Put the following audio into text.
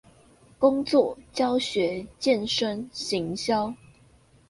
工作、教學、健身、行銷